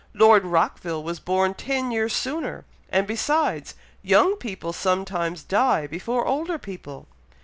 "Lord Rockville was born ten years sooner, and besides, young people sometimes die before older people."